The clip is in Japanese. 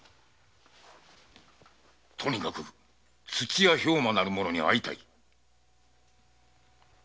とにかく土屋兵馬なる者に会いたい。